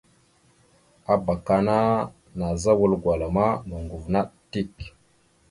Abak ana nazza wal gwala ma noŋgov naɗ dik.